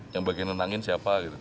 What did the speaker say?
yang bagian nenangin siapa gitu